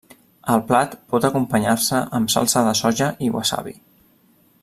El plat pot acompanyar-se amb salsa de soja i wasabi.